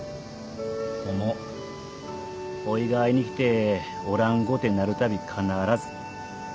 そんもおぃが会いに来ておらんごてなるたび必ず。